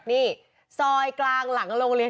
นี่ซอยกลางหลังโรงเรียน